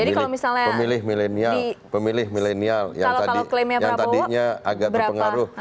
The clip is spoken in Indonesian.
terus pemilih milenial yang tadinya agak terpengaruh